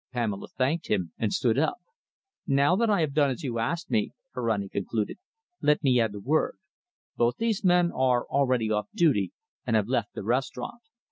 Pamela thanked him and stood up. "Now that I have done as you asked me," Ferrani concluded, "let me add a word. Both these men are already off duty and have left the restaurant.